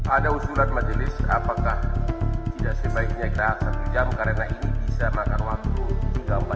ada usulan majelis apakah tidak sebaiknya kita satu jam karena ini bisa makan waktu